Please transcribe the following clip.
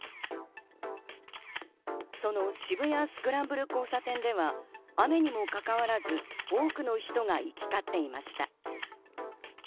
その渋谷スクランブル交差点では、雨にもかかわらず多くの人が行き交っていました。